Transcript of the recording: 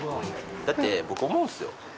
だって、僕思うんですよ。